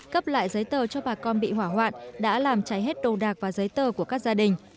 cấp lại giấy tờ cho bà con bị hỏa hoạn đã làm cháy hết đồ đạc và giấy tờ của các gia đình